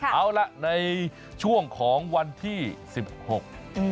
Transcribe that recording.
เอาล่ะในช่วงของวันที่สิบหก